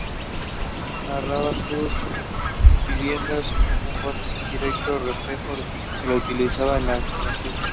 Narra sus vivencias con un lenguaje muy directo, reflejo del que utiliza la juventud.